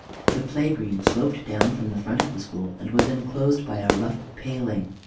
The play green sloped down from the front of the school, and was enclosed by a rough paling.